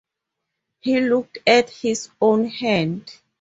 He looked at his own hand.